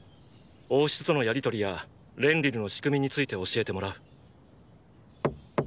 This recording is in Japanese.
王室とのやりとりやレンリルの仕組みについて教えてもらう。